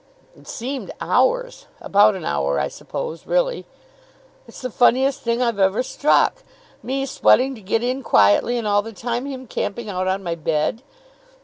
"It seemed hours. About an hour, I suppose, really." "It's the funniest thing I've ever struck. Me sweating to get in quietly, and all the time him camping out on my bed!"